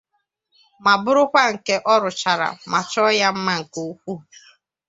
ma bụrụkwa nke ọ rụchaara ma chọọ ya mma nke ukwuu.